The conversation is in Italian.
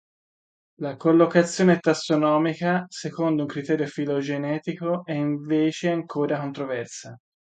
La collocazione tassonomica secondo un criterio filogenetico è invece ancora controversa.